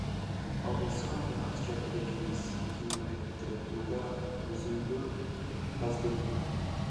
Ал болсо ага акча керек эмес экенин айтып, мага Өзүңдү бас деди.